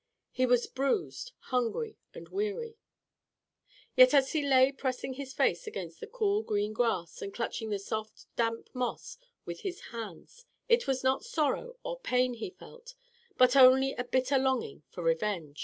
He was bruised, hungry, and weary. Yet as he lay pressing his face against the cool, green grass, and clutching the soft, damp moss with his hands, it was not sorrow or pain he felt, but only a bitter longing for revenge.